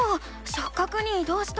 しょっ角にいどうした。